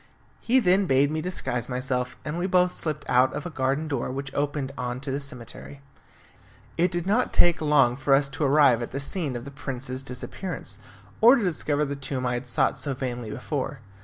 He then bade me disguise myself, and we both slipped out of a garden door which opened on to the cemetery. It did not take long for us to arrive at the scene of the prince's disappearance, or to discover the tomb I had sought so vainly before.